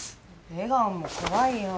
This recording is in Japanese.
笑顔も怖いよ。